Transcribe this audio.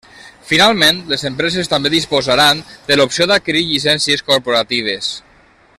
Finalment, les empreses també disposaran de l'opció d'adquirir llicències corporatives.